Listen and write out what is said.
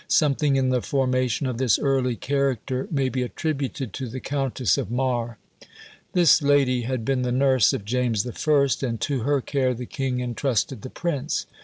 Something in the formation of this early character may be attributed to the Countess of Mar. This lady had been the nurse of James I., and to her care the king intrusted the prince.